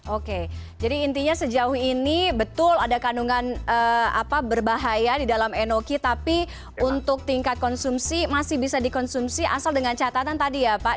oke jadi intinya sejauh ini betul ada kandungan berbahaya di dalam enoki tapi untuk tingkat konsumsi masih bisa dikonsumsi asal dengan catatan tadi ya pak